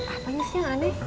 apanya sih yang aneh